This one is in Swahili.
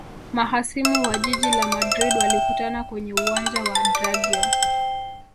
mahasimu wa jiji la madrid walikutana kwenye uwanja wa drageo